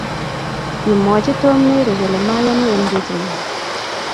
kimwoch Tom Mary kole mayani eng kechimen